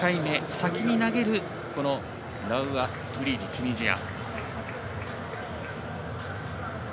先に投げるラウア・トゥリーリチュニジア。